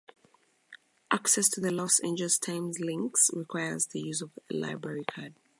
"Access to the "Los Angeles Times" links requires the use of a library card.